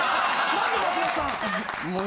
何で松本さん？